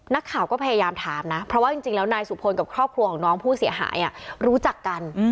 นักข่าวก็พยายามถามนะเพราะว่าจริงแล้วนายสุพลกับครอบครัวของน้องผู้เสียหายรู้จักกัน